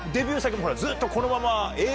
ずっとこのまま。